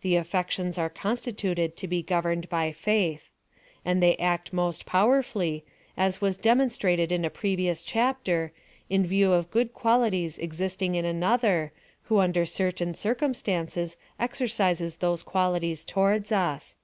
The affections are constituted to be governed by faith. And they act most powerfully, as was demonstrated in a previous chapter, in view of good qualities existing in anoth er, who under certain circumstances exercises those qualities towards us.